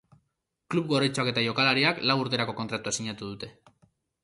Klub gorritxoak eta jokalariak lau urterako kontratua sinatu dute.